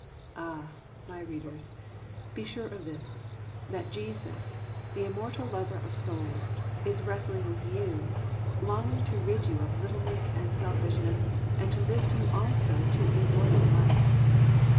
Ah, my readers, be sure of this, that Jesus, the immortal lover of souls, is wrestling with you, longing to rid you of littleness and selfishness, and to lift you also to a royal life.